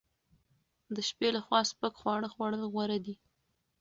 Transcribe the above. د شپې لخوا سپک خواړه خوړل غوره دي.